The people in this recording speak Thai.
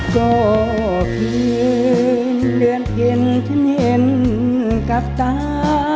ก็เพียงเลือนเย็นฉันเห็นกับตา